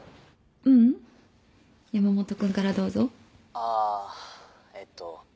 あえっと。